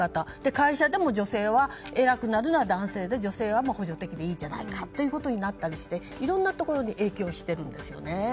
会社でも偉くなるのは男性で女性は補助的でいいじゃないかということになったりしていろんなところに影響しているんですよね。